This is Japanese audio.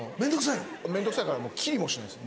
面倒くさいから切りもしないです